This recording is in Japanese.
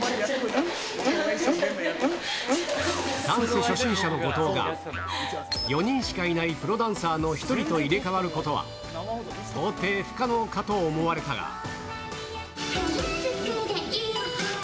ダンス初心者の後藤が、４人しかいないプロダンサーの１人と入れ代わることは、到底不可能かと思われたが。